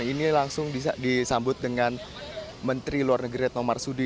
ini langsung bisa disambut dengan menteri luar negeri retno marsudi